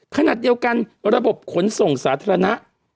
ขณะเดียวกันระบบขนส่งสาธารณะ